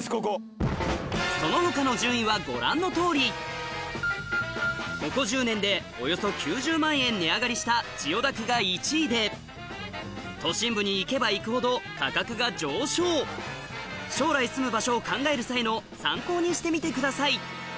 その他の順位はご覧のとおりここ１０年でおよそ９０万円値上がりした千代田区が１位で都心部に行けば行くほど価格が上昇将来住む場所を考える際の参考にしてみてください